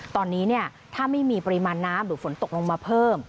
ตอนนี้ถ้าไม่มีปริมาณน้ำหรือฝนตกลงมาเพิ่ม